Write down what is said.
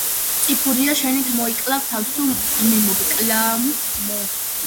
წიფურია შენით მოიკლავ თავს თუ მე მოგკლა?